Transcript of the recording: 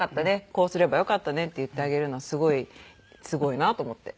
こうすればよかったねって言ってあげるのはすごいすごいなと思って。